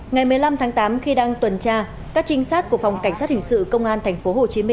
ngày một mươi năm tháng tám khi đang tuần tra các trinh sát của phòng cảnh sát hình sự công an tp hcm